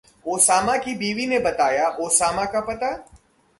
Osama की बीवी ने बताया ओसामा का पता?